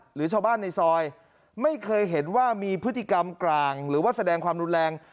หรือชาวบ้านในซอยไม่เคยเห็นว่ามีพฤติกรรมกลางหรือว่าแสดงความรุนแรง